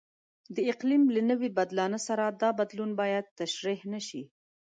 د اقلیم له نوي بدلانه سره دا بدلون باید تشریح نشي.